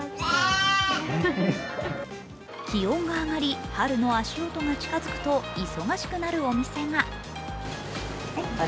気温が上がり、春の足音が近づくと忙しくなるお店が。